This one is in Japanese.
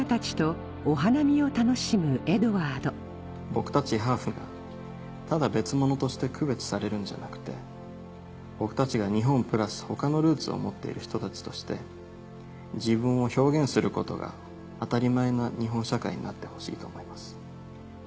僕たちハーフがただ別物として区別されるんじゃなくて僕たちが日本プラス他のルーツを持っている人たちとして自分を表現することが当たり前な日本社会になってほしいと思います。